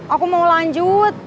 aku mau lanjut